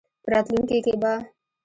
په راتلونکې کې به